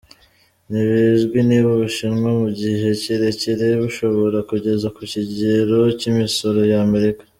Ntibizwi niba Ubushinwa, mu gihe kirekire, bushobora kugeza ku kigero cy'imisoro y'Amerika.